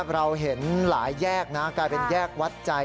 เราเห็นหลายแยกนะกลายเป็นแยกวัดใจ